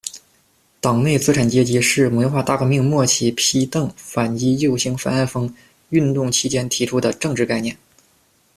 党内资产阶级是文化大革命末期“批邓、反击右倾翻案风”运动期间提出的政治概念。